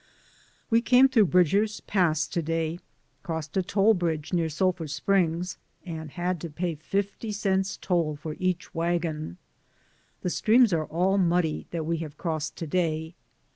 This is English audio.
We came through Bridger's Pass to day, crossed a toll bridge near Sulphur Springs, and had to pay fifty cents toll for each wagon. The streams are all muddy that we have crossed to day.